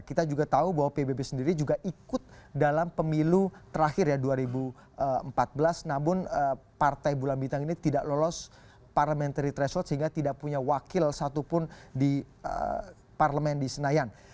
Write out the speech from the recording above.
kita juga tahu bahwa pbb sendiri juga ikut dalam pemilu terakhir ya dua ribu empat belas namun partai bulan bintang ini tidak lolos parliamentary threshold sehingga tidak punya wakil satupun di parlemen di senayan